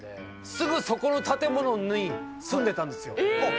すぐそこの建物に住んでたんですよ。